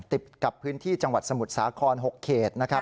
ติดกับพื้นที่จังหวัดสมุทรสาคร๖เขตนะครับ